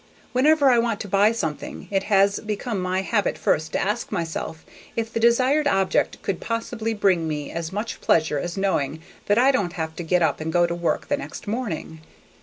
Whenever I want to buy something it has become my habit first to ask myself if the desired object could possibly bring me as much pleasure as knowing that I don't have to get up and go to work the next morning.